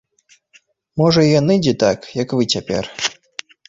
Можа, і яны дзе так, як вы цяпер.